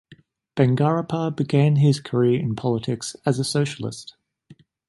Bangarappa began his career in politics as a socialist.